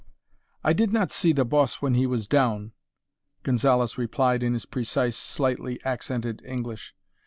"I did not see the boss when he was down," Gonzalez replied in his precise, slightly accented English.